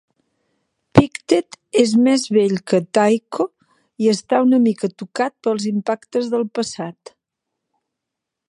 Pictet és més vell que Tycho i està una mica tocat pels impactes del passat.